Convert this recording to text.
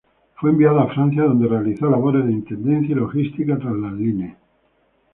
Fue enviado a Francia donde realizó labores de intendencia y logística tras las líneas.